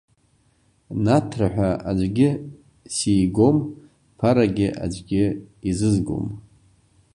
Наҭра ҳәа аӡәгьы сигом, ԥарагьы аӡәгьы изызгом.